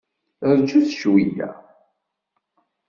Rjut cweyya!